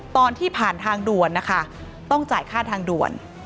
ตอนที่ผ่านทางด่วนนะคะต้องจ่ายค่าทางด่วน